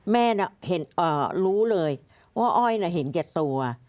แม่เรารู้เลยอ้อยเห็นกับตัว